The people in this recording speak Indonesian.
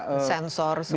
bisa sensor semua lagi